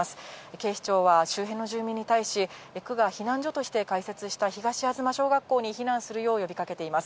警視庁は周辺の住民に対し、区が避難所として開設した東吾嬬小学校に避難するよう呼びかけています。